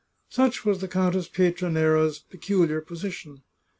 Such was the Countess Pietranera's peculiar position.